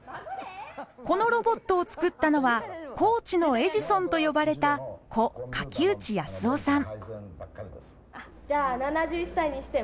このロボットを作ったのは「高知のエジソン」と呼ばれた故垣内保夫さん。